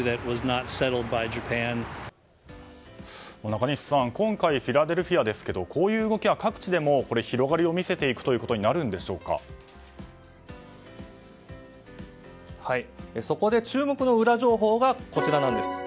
中西さん、今回フィラデルフィアですがこういう動きが各地でも広がりを見せていくということにそこで注目のウラ情報がこちらなんです。